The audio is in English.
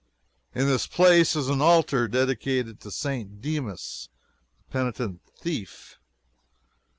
In this place is an altar dedicated to St. Dimas, the penitent thief.